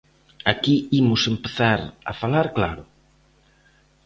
Aquí imos empezar a falar claro.